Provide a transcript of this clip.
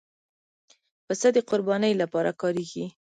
پسه د قربانۍ لپاره کارېږي.